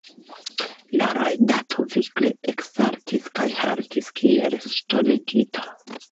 La rajdato vigle eksaltis kaj haltis kiel ŝtonigita.